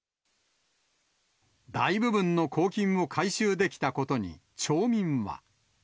大部分の公金を回収できたことに、町民は。